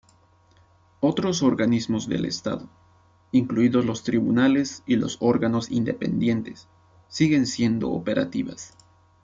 Otros organismos del Estado, incluidos los tribunales y los órganos independientes, siguen siendo operativas.